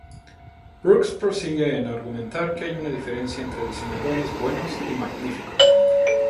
Brooks prosigue en argumentar que hay una diferencia entre diseñadores "buenos" y "magníficos".